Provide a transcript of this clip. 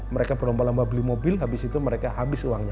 mereka berlomba lomba beli mobil habis itu mereka habis uangnya